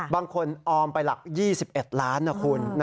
ออมไปหลัก๒๑ล้านนะคุณ